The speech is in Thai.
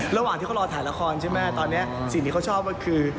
ระหว่างที่เขารอถ่ายละครใช่ไหมตอนนี้สิ่งที่เขาชอบก็คือ